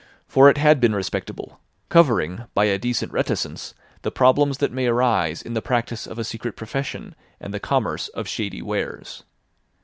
For it had been respectable, covering by a decent reticence the problems that may arise in the practice of a secret profession and the commerce of shady wares.